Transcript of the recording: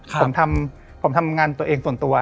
ผมทำงานตัวเองส่วนตัว